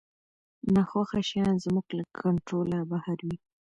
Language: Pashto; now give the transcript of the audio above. ناخوښه شیان زموږ له کنټروله بهر وي.